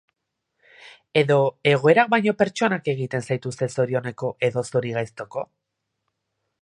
Edo, egoerak baino pertsonak egiten zaituzte zorioneko edo zorigaiztoko?